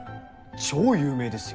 超有名ですよ。